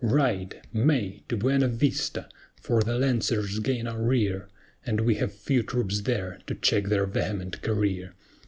Ride! MAY! To Buena Vista! for the Lancers gain our rear, And we have few troops there to check their vehement career.